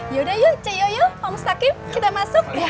yaudah yuk caya yuk pak mustaqim kita masuk